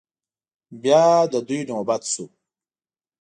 بيا د دوی نوبت شو.